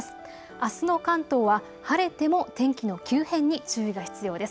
あすの関東は晴れても天気の急変に注意が必要です。